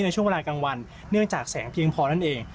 ช่วงเวลากลางวันเนื่องจากแสงเพียงพอนั่นเอง